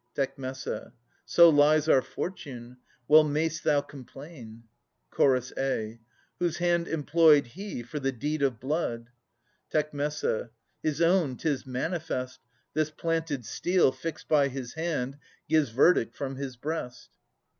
Tec. So lies our fortune. Well mayst thou complain. Ch. a. Whose hand employed he for the deed of blood ? Tec. His own, 'tis manifest. This planted steel, Fixed by his hand, gives verdict from his breast.